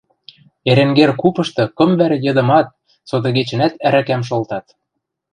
Эренгер купышты кым вӓре йыдымат, сотыгечӹнӓт ӓрӓкӓм шолтат.